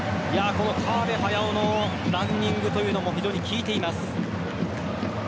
川辺駿のランニングというのも非常に効いています。